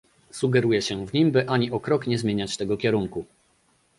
Sugeruje się w nim, by ani o krok nie zmieniać tego kierunku